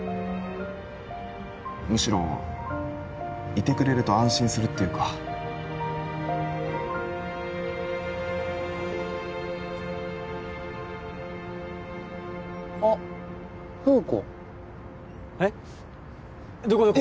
むしろいてくれると安心するっていうかあっフー子えっどこどこ？